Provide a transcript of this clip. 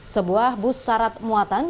sebuah bus syarat muatan